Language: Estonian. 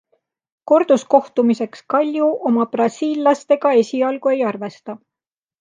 Korduskohtumiseks Kalju oma brasiillastega esialgu ei arvesta.